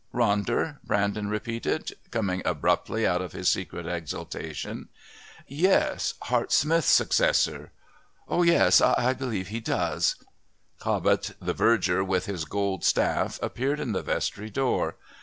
"Ronder?" Brandon repeated, coming abruptly out of his secret exultation. "Yes...Hart Smith's successor." "Oh, yes I believe he does...." Cobbett, the Verger, with his gold staff, appeared in the Vestry door.